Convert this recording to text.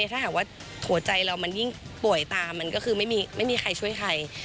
ถ้าหากว่าหัวใจเรามันยิ่งป่วยตามมันก็คือไม่มีใครช่วยใคร